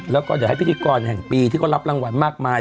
แล้วก็เดี๋ยวให้พิธีกรแห่งปีที่เขารับรางวัลมากมาย